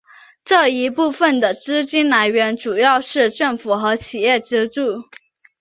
这一部分的资金来源主要是政府和企业资助。